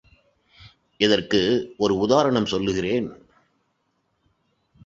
இதற்கு ஒரு உதாரணம் சொல்லுகிறேன்.